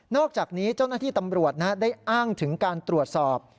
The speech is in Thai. อกจากนี้เจ้าหน้าที่ตำรวจได้อ้างถึงการตรวจสอบ